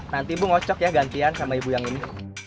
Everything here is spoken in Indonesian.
nanti ibu ngocok ya gantian sama ibu yang ini